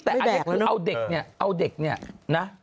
แต่เอาเด็กเนี่ยเอาเด็กเนี่ยนะ